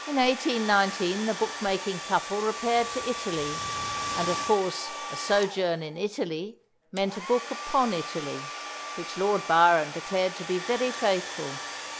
In 1819 the book making couple repaired to Italy, and, of course, a sojourn in Italy meant a book upon Italy, which Lord Byron declared to be very faithful.